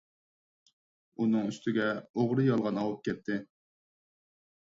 ئۈنىڭ ئۈستىگە ئوغرى - يالغان ئاۋۇپ كەتتى.